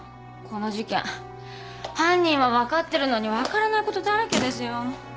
この事件犯人は分かってるのに分からないことだらけですよ。